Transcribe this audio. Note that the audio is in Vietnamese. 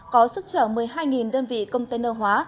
có sức trở một mươi hai đơn vị container hóa